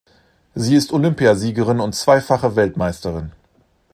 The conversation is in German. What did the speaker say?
Sie ist Olympiasiegerin und zweifache Weltmeisterin.